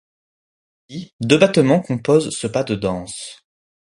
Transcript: Ainsi, deux battements composent ce pas de danse.